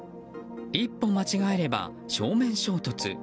一歩間違えれば正面衝突。